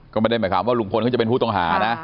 ก็ไม่ได้หมายความว่าลุงพลเขาจะเป็นผู้ต้องหานะ